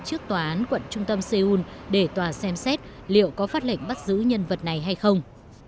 trước tòa án quận trung tâm seoul để tòa xem xét liệu có phát lệnh bắt giữ nhân vật này hay không